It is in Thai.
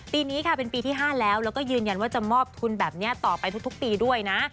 ปีนี้ค่ะเป็นปีที่๕แล้วแล้วก็ยืนยันว่าจะมอบทุนแบบนี้ต่อไปทุกปีด้วยนะ